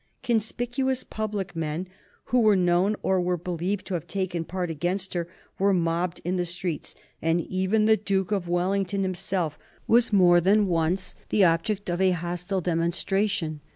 Conspicuous public men who were known, or were believed, to have taken part against her were mobbed in the streets, and even the Duke of Wellington himself was more than once the object of a hostile demonstration.